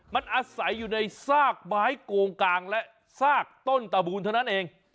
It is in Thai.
มันอาศัยอยู่ในซากไม้โกงกลางและซากต้นตะบูนเท่านั้นเอง